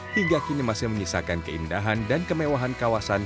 hingga kini masih menyisakan keindahan dan kemewahan kawasan